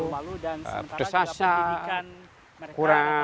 malu putus asa kurang